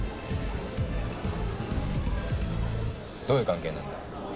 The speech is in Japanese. どういう関係なんだ？